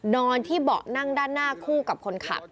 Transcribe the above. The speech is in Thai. นอนที่เบาะนั่งด้านหน้าคู่กับคนขับ